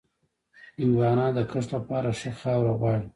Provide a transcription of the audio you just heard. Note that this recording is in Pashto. هندوانه د کښت لپاره ښه خاوره غواړي.